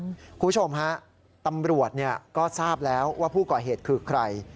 คุณผู้ชมฮะตำรวจก็ทราบแล้วว่าผู้ก่อเหตุคือใคร